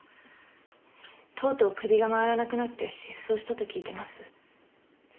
とうとう首が回らなくなって失踪したと聞いてます。